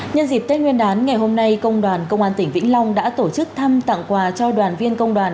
nhân dịp tết nguyên đán ngày hôm nay công đoàn công an tỉnh vĩnh long đã tổ chức thăm tặng quà cho đoàn viên công đoàn